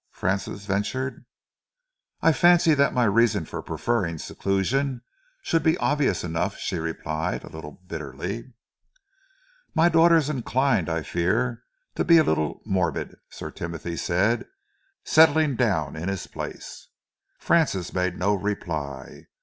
Francis ventured. "I fancy that my reasons for preferring seclusion should be obvious enough," she replied, a little bitterly. "My daughter is inclined, I fear, to be a little morbid," Sir Timothy said, settling down in his place. Francis made no reply.